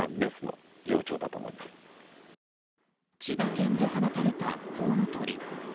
千葉県で放たれたコウノトリ。